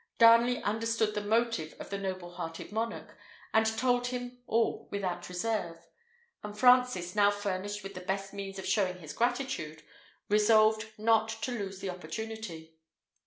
Darnley understood the motive of the noble hearted monarch, and told him all without reserve; and Francis, now furnished with the best means of showing his gratitude, resolved not to lose the opportunity.